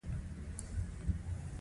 بې اسنادو موټر چلول جرم دی.